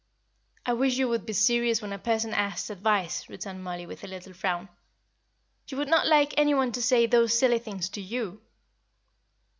"I wish you would be serious when a person asks advice," returned Mollie, with a little frown. "You would not like any one to say those silly things to you."